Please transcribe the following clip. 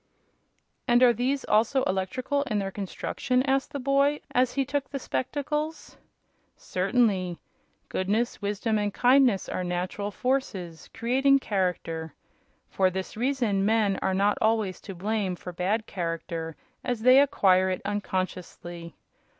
"And are these, also, electrical in their construction?" asked the boy, as he took the spectacles. "Certainly. Goodness, wisdom and kindness are natural forces, creating character. For this reason men are not always to blame for bad character, as they acquire it unconsciously.